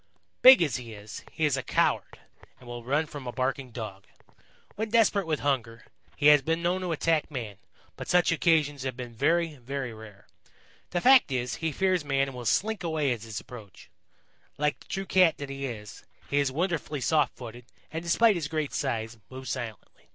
"Big as he is, he is a coward and will run from a barking Dog. When desperate with hunger, he has been known to attack man, but such occasions have been very, very rare. The fact is, he fears man and will slink sway at his approach. Like the true Cat that he is, he is wonderfully soft footed and, despite his great size, moves silently.